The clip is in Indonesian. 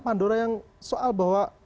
pandora yang soal bahwa